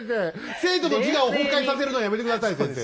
生徒の自我を崩壊させるのやめて下さい先生。